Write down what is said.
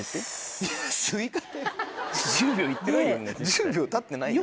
１０秒たってないよまだ。